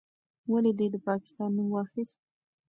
ولې دې د پاکستان نوم واخیست؟